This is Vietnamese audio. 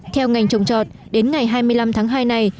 theo ngành trồng trọt đến ngày hai mươi năm tháng hai này